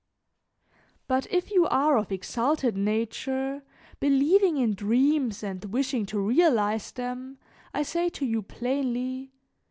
"But if you are of exalted nature, believing in dreams and wishing to realize them, I say to you plainly.